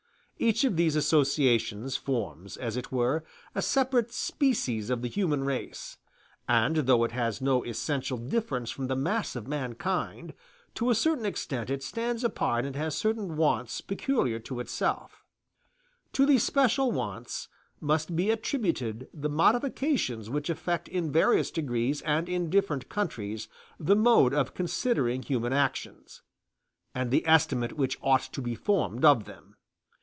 Each of these associations forms, as it were, a separate species of the human race; and though it has no essential difference from the mass of mankind, to a certain extent it stands apart and has certain wants peculiar to itself. To these special wants must be attributed the modifications which affect in various degrees and in different countries the mode of considering human actions, and the estimate which ought to be formed of them.